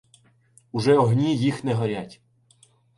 Уже огні їх не горять.